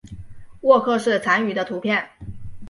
沃克氏蟾鱼的图片